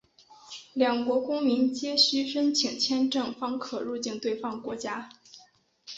两国公民皆须申请签证方可入境对方国家。